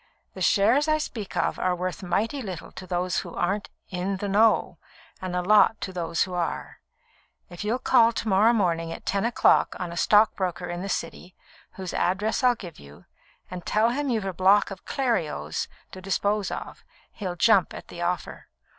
The shares I speak of are worth mighty little to those who aren't 'in the know,' and a lot to those who are. If you'll call to morrow morning at ten o'clock on a stockbroker in the City, whose address I'll give you, and tell him you've a block of Clerios to dispose of, he'll jump at the offer.